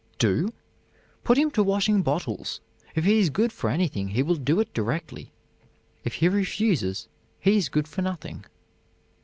"Do? put him to washing bottles; if he is good for anything he will do it directly; if he refuses he is good for nothing."